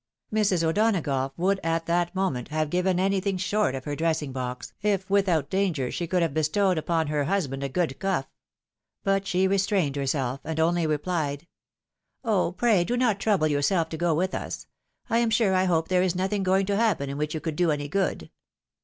Mrs. O'Donagough would at that moment have given anything short of her dres sing box, if without danger she could have bestowed upon her husband a good cuff; but she restrained herself, and only rephed, " Oh ! pray do not trouble yourself to go with us — I am sure I hope there is nothing going to happen in which you could do any good.